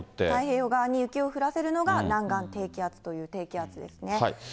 太平洋側に雪を降らせるのが、南岸低気圧という低気圧ですね。